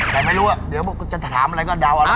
ใครไม่รู้เดี๋ยวจะถามอะไรก็เดาแล้วครับ